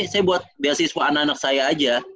saya buat beasiswa anak anak saya aja